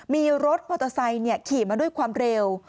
มีรถมอเตอร์ไซค์ขี่มาด้วยความเร็ว